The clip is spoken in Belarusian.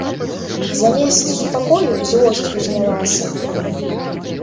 Замест супакою злосць узнялася.